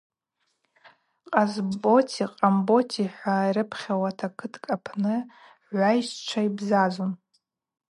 Къасботи Къамботи – хӏва йрыпхьауата кыткӏ апны гӏвайщчва бзазун.